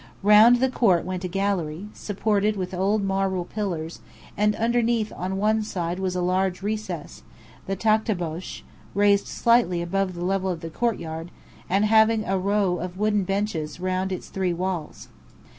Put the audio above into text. Round the court went a gallery, supported with old marble pillars, and underneath on one side was a large recess, the takhtabosh, raised slightly above the level of the courtyard, and having a row of wooden benches round its three walls.